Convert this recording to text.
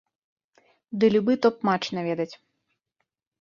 Ды любы топ-матч наведаць.